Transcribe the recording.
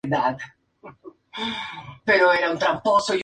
La literatura abre un camino para ese escape de que se siente necesitado.